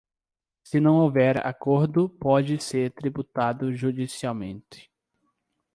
Se não houver acordo, pode ser tributado judicialmente.